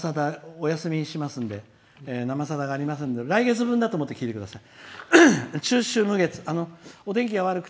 お休みしますんで「生さだ」がありませんので来月分だと思って聴いてください。